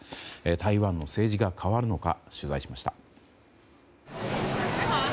台湾の政治が変わるのか取材しました。